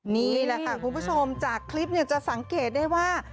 นี่แหละค่ะคุณผู้ชมจากคลิปจะสังเกตได้ว่า